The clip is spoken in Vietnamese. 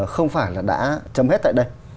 không phải là đã chấm hết tại đây